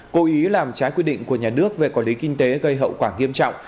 cố ý làm trái quy định của nhà nước về quản lý kinh tế gây hậu quả nghiêm trọng